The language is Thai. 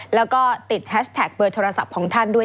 แล้วก็ติดแฮชแท็กเบอร์โทรศัพท์ของท่านด้วย